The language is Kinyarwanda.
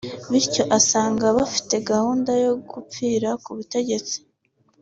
bityo asanga bafite gahunda yo gupfira ku butegetsi